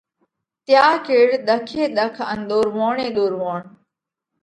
تيا ڪيڙ ۮک ئي ۮک ان ۮورووڻ ئي ۮورووڻ۔